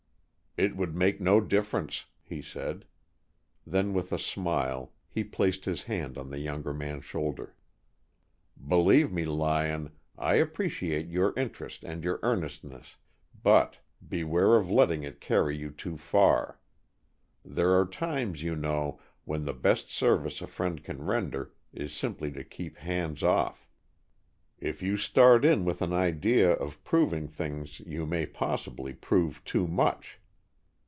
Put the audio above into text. "It would make no difference," he said. Then with a smile he placed his hand on the younger man's shoulder. "Believe me, Lyon, I appreciate your interest and your earnestness, but beware of letting it carry you too far. There are times, you know, when the best service a friend can render is simply to keep hands off. If you start in with an idea of proving things you may possibly prove too much!